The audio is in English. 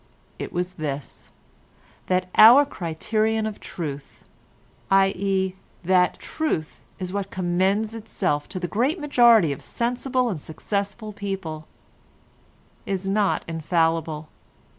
It was this, that our criterion of truth—i.e. that truth is what commends itself to the great majority of sensible and successful people—is not infallible.